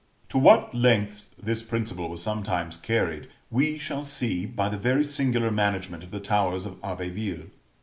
To what lengths this principle was sometimes carried, we shall see by the very singular management of the towers of Abbeville.